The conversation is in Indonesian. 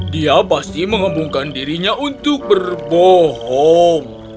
dia pasti menghubungkan dirinya untuk berbohong